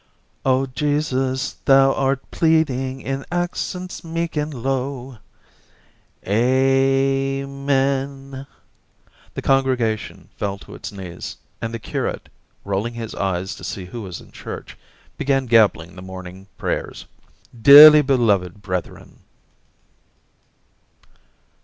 OJesus^ thou art pleading In accents meek and low. ... A — A — men ! The congregation fell to its knees, and the curate, rolling his eyes to see who was in church, began gabbling the morn ing prayers — 'Dearly beloved brethren'